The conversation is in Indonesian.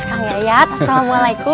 kang yayat assalamualaikum